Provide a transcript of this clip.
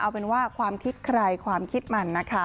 เอาเป็นว่าความคิดใครความคิดมันนะคะ